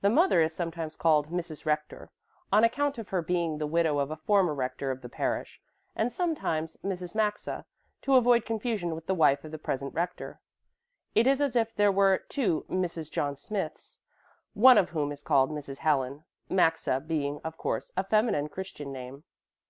The mother is sometimes called Mrs. Rector, on account of her being the widow of a former rector of the parish, and sometimes Mrs. Maxa, to avoid confusion with the wife of the present rector. It is as if there were two Mrs. John Smiths, one of whom is called Mrs. Helen; Maxa being, of course, a feminine Christian name.